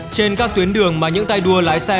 trên các tuyến đường mà những tay đua lái xe